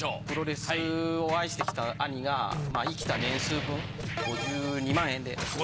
プロレスを愛してきた兄が生きた年数分５２万円で。